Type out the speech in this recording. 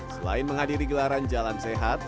selain menghadiri gelaran jalan sehat